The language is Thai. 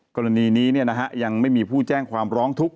กรณีนี้ยังไม่มีผู้แจ้งความร้องทุกข